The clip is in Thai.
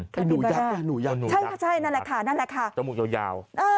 ขาปิบาร่าหนูยักษ์น่ะล่ะค่ะจมูกยาว